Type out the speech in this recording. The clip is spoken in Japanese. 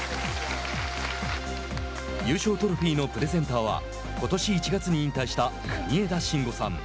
優勝トロフィーのプレゼンターはことし１月に引退した国枝慎吾さん。